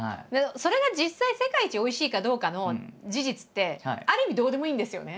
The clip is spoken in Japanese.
それが実際世界一おいしいかどうかの事実ってある意味どうでもいいんですよね。